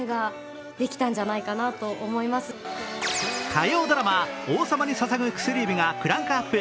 火曜ドラマ「王様に捧ぐ薬指」がクランクアップ。